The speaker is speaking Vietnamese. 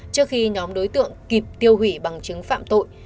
trước khi nhóm đối tượng kịp tiêu hủy bằng chứng phạm tội